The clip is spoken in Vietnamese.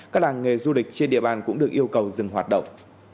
các làng nghề du lịch trên địa bàn cũng được yêu cầu dừng hoạt động